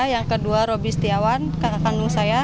yang kedua roby setiawan kakak kandung saya